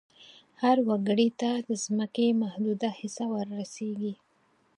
هر وګړي ته د ځمکې محدوده حصه ور رسیږي.